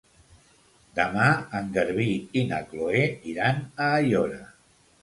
Demà en Garbí i na Chloé iran a Aiora.